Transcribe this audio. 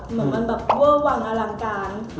เหมือนมันแบบเวอร์วังอลังการ